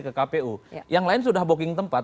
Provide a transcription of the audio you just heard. ke kpu yang lain sudah booking tempat